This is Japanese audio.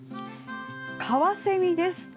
カワセミです。